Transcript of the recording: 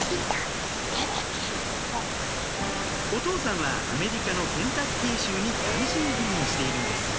お父さんはアメリカのケンタッキー州に単身赴任しているんです